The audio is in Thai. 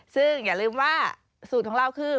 ซึ่งอย่าลืมว่าสูตรของเราคือ